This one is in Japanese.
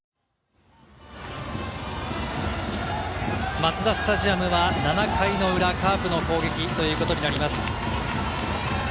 マツダスタジアムは７回の裏、カープの攻撃ということになります。